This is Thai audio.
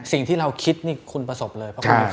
สิ่งที่เราคิดนี่คุณประสบเลย